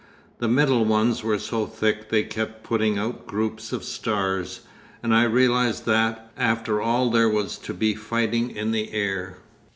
The middle ones were so thick they kept putting out groups of stars. And I realised that after all there was to be fighting in the air.